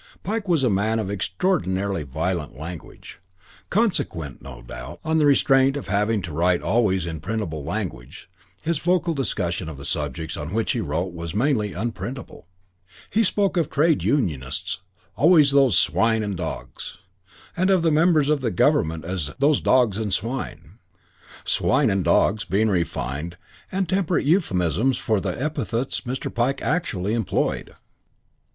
Pike was a man of extraordinarily violent language. Consequent, no doubt, on the restraint of having to write always in printable language, his vocal discussion of the subjects on which he wrote was mainly in unprintable. He spoke of trade unionists always as "those swine and dogs" and of the members of the Government as "those dogs and swine", swine and dogs being refined and temperate euphuisms for the epithets Mr. Pike actually employed.